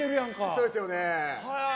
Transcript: そうですよね。